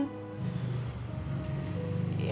gak ada kerjaan